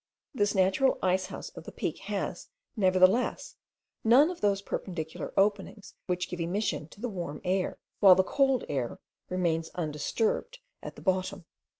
This natural ice house of the peak has, nevertheless, none of those perpendicular openings, which give emission to the warm air, while the cold air remains undisturbed at the bottom.